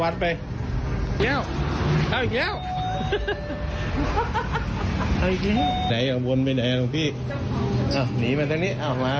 อ๋อแล้วตอนนี้เขาติดใจ